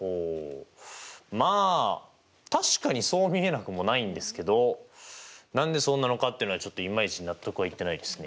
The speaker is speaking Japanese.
まあ確かにそう見えなくもないんですけど何でそうなのかってのはちょっといまいち納得はいってないですね。